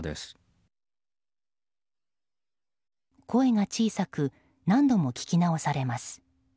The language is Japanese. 声が小さく何度も聞き直されます。